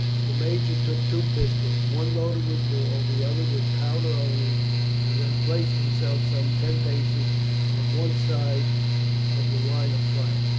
The major took two pistols one loaded with ball, the other with powder only, and then placed himself some ten paces on one side of the line of fire.